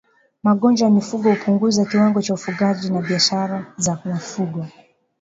Magonjwa ya mifugo hupunguza kiwango cha ufugaji na biashara za mifugo